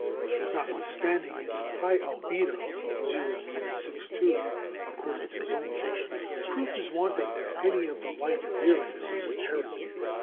Notwithstanding its high albedo 0·62, according to Zöllner proof is wanting that any of the light of Uranus is inherent.